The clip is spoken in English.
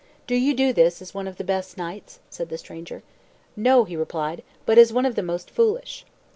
"Do you do this as one of the best knights?" said the stranger. "No," he replied, "but as one of the most foolish."